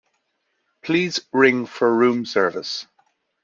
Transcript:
Please ring for room service